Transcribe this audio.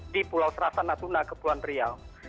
di pulau serasa natuna kepulauan riau